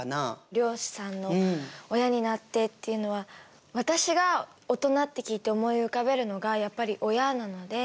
漁師さんの「親になって」っていうのは私がオトナって聞いて思い浮かべるのがやっぱり親なので。